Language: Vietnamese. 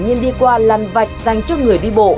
nhìn đi qua lằn vạch dành cho người đi bộ